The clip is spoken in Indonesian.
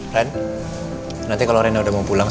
ren nanti kalo rena udah mau pulang